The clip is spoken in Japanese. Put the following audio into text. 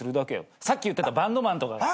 さっき言ってたバンドマンとかがさ。